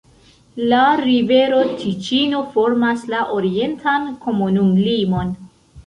La rivero Tiĉino formas la orientan komunumlimon.